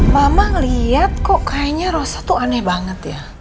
mama lihat kok kayaknya rosa tuh aneh banget ya